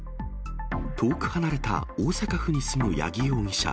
遠く離れた大阪府に住む八木容疑者。